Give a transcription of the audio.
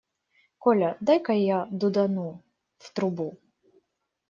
Коля, дай-ка я дудану в трубу.